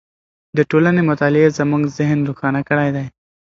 د ټولنې مطالعې زموږ ذهن روښانه کړی دی.